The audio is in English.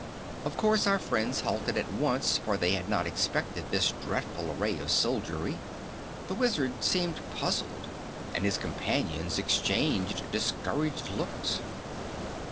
Of course, our friends halted at once, for they had not expected this dreadful array of soldiery. The Wizard seemed puzzled, and his companions exchanged discouraged looks.